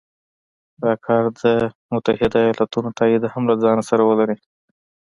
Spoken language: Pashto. دا کار د متحدو ایالتونو تایید هم له ځانه سره ولري.